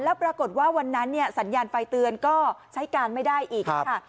แล้วปรากฏว่าวันนั้นเนี่ยสัญญาณไฟเตือนก็ใช้การไม่ได้อีกค่ะ